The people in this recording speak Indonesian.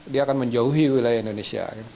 dia akan menjauhi wilayah indonesia